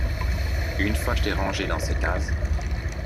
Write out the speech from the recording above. Une fois que je t'ai rangé dans cette case.